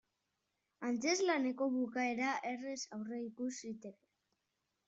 Antzezlaneko bukaera erraz aurreikus zitekeen.